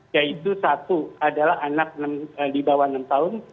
yaitu satu adalah anak di bawah enam tahun